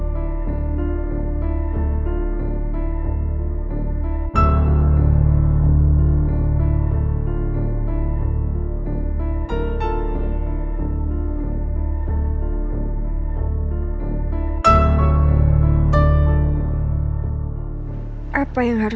selamat malam mas